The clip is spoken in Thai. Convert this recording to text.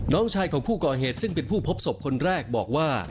น้องชายของผู้ก่อเหตุซึ่งเป็นผู้พบศพคนแรกบอกว่า